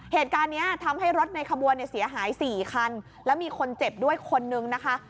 เหตุการณ์นี้ทำให้รถในขบวนเนี่ยเสียหาย๔คันแล้วมีคนเจ็บด้วยคนนึงนะคะ